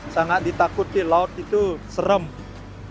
sangat ditakutkan ini luka yang dipinggangkan kota